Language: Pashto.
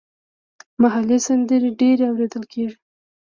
محلي سندرې ډېرې اوریدل کیږي.